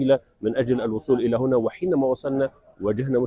kami juga mempunyai masalah dengan keterbatasan baterai